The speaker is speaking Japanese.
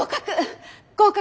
合格！